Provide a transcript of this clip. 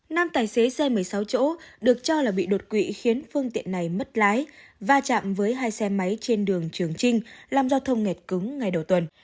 nam tài xế xe một mươi sáu chỗ được cho là bị đột quỵ khiến phương tiện này mất lái va chạm với hai xe máy trên đường trường trinh làm giao thông ngẹt cứng ngay đầu tuần